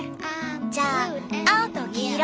じゃあ青と黄色。